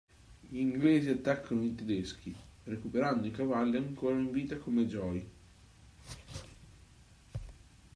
Gli inglesi attaccano i tedeschi, recuperando i cavalli ancora in vita come Joey.